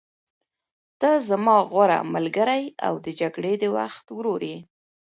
ته زما غوره ملګری او د جګړې د وخت ورور یې.